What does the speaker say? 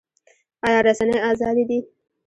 آیا رسنۍ ازادې دي؟